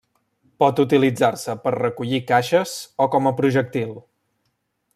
Pot utilitzar-se per recollir caixes o com a projectil.